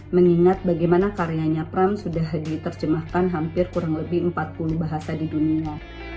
mengingat bagaimana karyanya pram sudah diterjemahkan hampir kurang lebih empat puluh bahasa di dunia